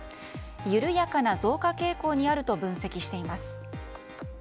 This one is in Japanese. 緩やかな増加傾向にあると分析しています。